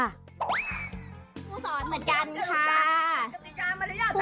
ผู้สอนเหมือนกันค่ะ